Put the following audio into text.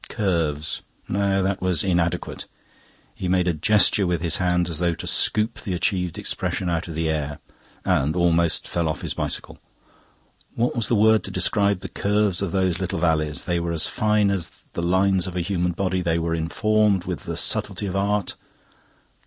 Curves no, that was inadequate. He made a gesture with his hand, as though to scoop the achieved expression out of the air, and almost fell off his bicycle. What was the word to describe the curves of those little valleys? They were as fine as the lines of a human body, they were informed with the subtlety of art...